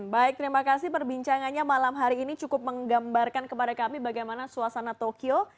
baik terima kasih perbincangannya malam hari ini cukup menggambarkan kepada kami bagaimana suasana tokyo